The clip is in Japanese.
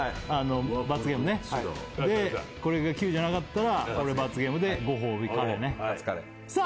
罰ゲームねでこれが９じゃなかったら俺罰ゲームでご褒美カレーねさあ